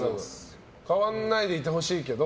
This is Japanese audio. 変わらないでいてほしいけど。